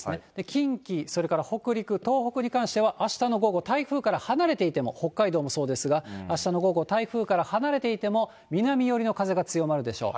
近畿、それから北陸、東北に関しては、あしたの午後、台風から離れていても、北海道もそうですが、あしたの午後、台風から離れていても、南寄りの風が強まるでしょう。